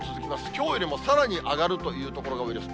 きょうよりもさらに上がるという所が多いです。